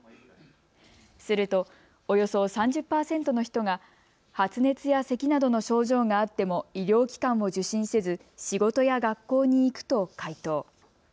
すると、およそ３０％の人が発熱やせきなどの症状があっても医療機関を受診せず仕事や学校に行くと回答。